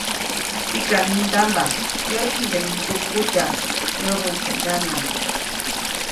‒Tikam myindamba, yäʼ jiʼnde mij mgupkutyaʼm-, näbuʼuŋ teʼ ŋganaʼŋ.